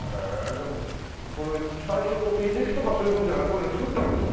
でもこれ最初居抜きとかそういう事じゃなくこういうの作ったんでしょ？